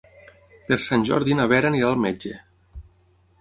Per Sant Jordi na Vera anirà al metge.